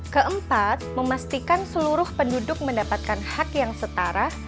keempat memastikan seluruh penduduk mendapatkan hak yang setara